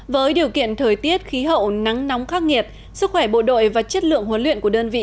với điều kiện thời tiết khí hậu nắng nóng khắc nghiệt sức khỏe bộ đội và chất lượng huấn luyện của đơn vị